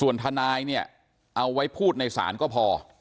ส่วนทนายเนี่ยเอาไว้พูดในศาลก็พอ